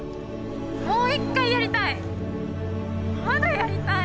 もう一回やりたい！